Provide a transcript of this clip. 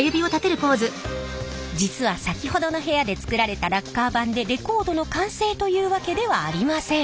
実はさきほどの部屋で作られたラッカー盤でレコードの完成というわけではありません。